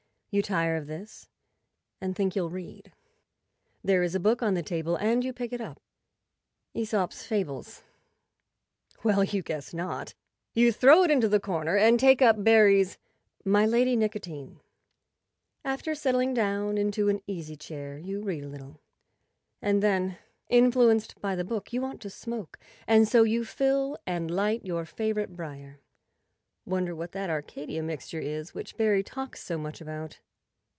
You tire of this, and think you'll read. There is a book on the table, and you pick it up. ./Esop's Fables. Well, you guess not! You throw it into the corner and take up Barrie's " My Lady Nico¬ tine." After settling down into an easy chair you read a little, and then, influenced by the book, you want to smoke, and so you fill and light your favorite briar. Wonder what that Arcadia Mixture is which Barrie talks so much about?